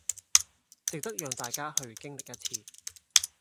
值得讓大家去經歷一次